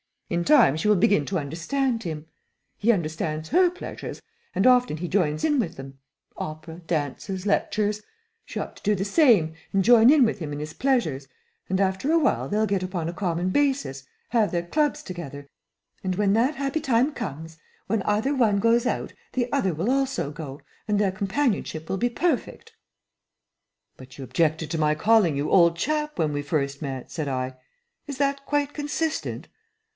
In time she will begin to understand him. He understands her pleasures, and often he joins in with them opera, dances, lectures; she ought to do the same, and join in with him in his pleasures, and after a while they'll get upon a common basis, have their clubs together, and when that happy time comes, when either one goes out the other will also go, and their companionship will be perfect." "But you objected to my calling you old chap when we first met," said I. "Is that quite consistent?"